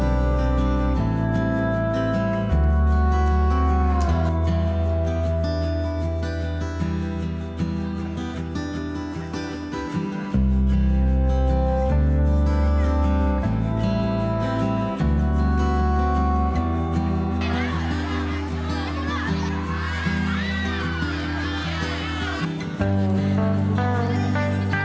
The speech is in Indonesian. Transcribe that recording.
hak haknya kita harus perhatikan dengan baik